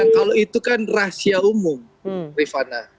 kalau itu kan rahasia umum rifana